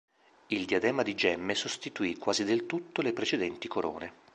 Il diadema di gemme sostituì quasi del tutto le precedenti corone.